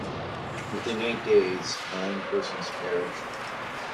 Within eight days, nine persons perished.